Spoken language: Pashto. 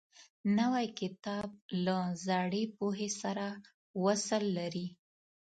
نوی کتاب له زړې پوهې سره وصل لري